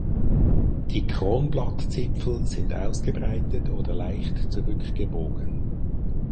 Die Kronblattzipfel sind ausgebreitet oder leicht zurück gebogen.